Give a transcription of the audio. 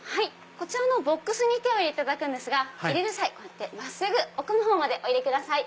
こちらのボックスに手を入れていただくんですが入れる際真っすぐ奥のほうまでお入れください。